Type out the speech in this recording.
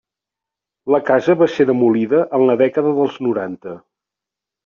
La casa va ser demolida en la dècada dels noranta.